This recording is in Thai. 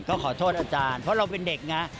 ก็ขอโทษอาจารย์เพราะเราเป็นเด็กไง